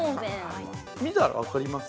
◆見たら分かります？